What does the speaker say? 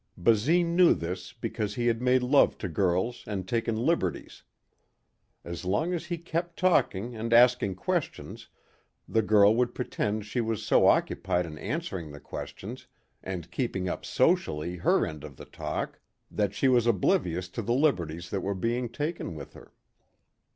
Basine knew this because he had made love to girls and taken liberties. As long as he kept talking and asking questions the girl would pretend she was so occupied in answering the questions and keeping up socially her end of the talk that she was oblivious to the liberties that were being taken with her.